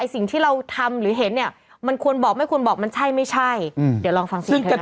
สิ่งที่เราทำหรือเห็นเนี่ยมันควรบอกไม่ควรบอกมันใช่ไม่ใช่เดี๋ยวลองฟังเสียงเธอ